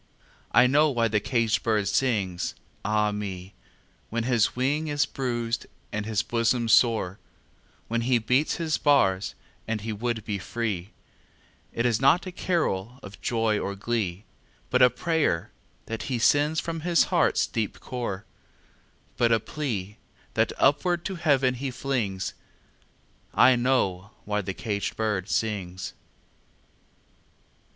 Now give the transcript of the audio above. I know why the caged bird sings, ah me, When his wing is bruised and his bosom sore, When he beats his bars and he would be free; It is not a carol of joy or glee, But a prayer that he sends from his heart's deep core, But a plea, that upward to Heaven he flings I know why the caged bird sings!